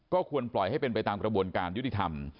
ควรปล่อยให้เป็นไปตามกระบวนการยุติธรรม